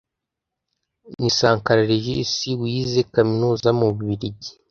ni Sankara Regis wize Kaminuza mu Bubiligi